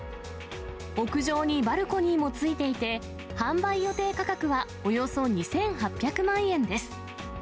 屋上にバルコニーもついていて、販売予定価格はおよそ２８００万円です。